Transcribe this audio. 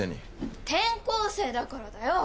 転校生だからだよ。